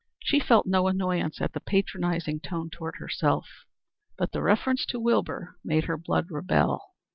She felt no annoyance at the patronizing tone toward herself, but the reference to Wilbur made her blood rebel.